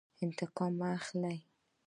انتقام مه اخلئ